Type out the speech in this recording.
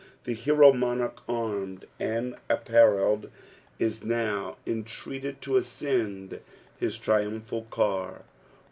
The hoTO monnrch snned and appaielkd in now eatreated to ascend his triumphal car.